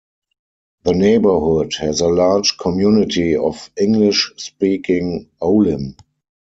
The neighborhood has a large community of English-speaking olim.